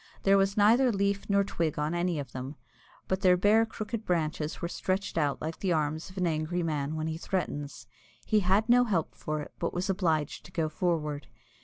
There was neither leaf nor twig on any of them, but their bare crooked branches were stretched out like the arms of an angry man when he threatens. He had no help for it, but was obliged to go forward.